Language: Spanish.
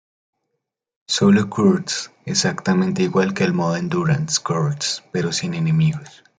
Solo Course: exactamente igual que el modo "Endurance Course", pero sin enemigos.